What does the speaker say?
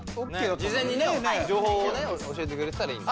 事前にね情報をね教えてくれてたらいいんだ。